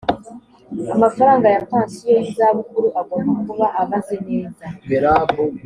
amafaranga ya pansiyo y’izabukuru agomba kuba abaze neza